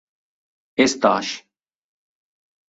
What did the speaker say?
És Tosh.